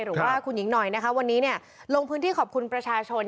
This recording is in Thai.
หรือว่าคุณหญิงหน่อยนะคะวันนี้เนี่ยลงพื้นที่ขอบคุณประชาชน